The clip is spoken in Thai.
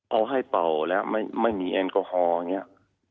เอาให้เป่าแล้วไม่มีแอนโกฮอล์เนี่ย